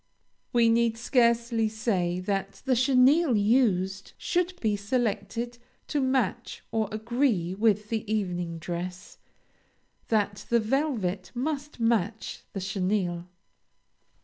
We need scarcely say that the chenille used should be selected to match or agree with the evening dress, and that the velvet must match the chenille.